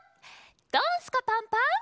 「ドンスカパンパン」。